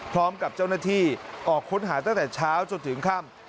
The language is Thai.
พร้อมกับเจ้าหน้าที่ออกค้นหาตั้งแต่เช้าจนถึงค่ำ